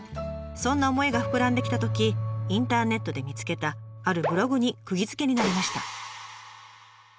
そんな思いが膨らんできたときインターネットで見つけたあるブログにくぎづけになりました。